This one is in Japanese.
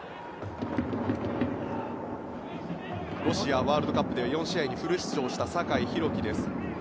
ロシアワールドカップでは４試合にフル出場した酒井宏樹です。